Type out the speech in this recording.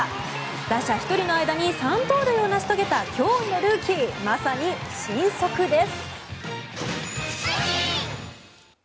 打者１人の間に３盗塁を成し遂げた驚異のルーキーまさにシン速です。